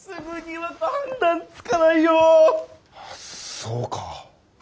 そうか。